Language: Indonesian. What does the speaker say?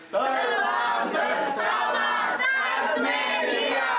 terbang bersama transmedia